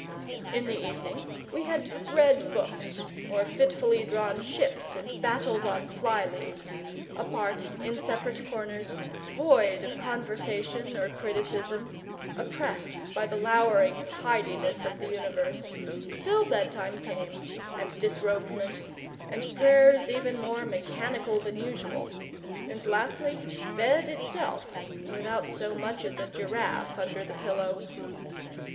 In the evening we had read books, or fitfully drawn ships and battles on fly leaves, apart, in separate corners, void of conversation or criticism, oppressed by the lowering tidiness of the universe, till bedtime came, and disrobement, and prayers even more mechanical than usual, and lastly bed itself without so much as a giraffe under the pillow.